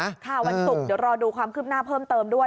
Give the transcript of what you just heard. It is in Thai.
วันศุกร์เดี๋ยวรอดูความคืบหน้าเพิ่มเติมด้วย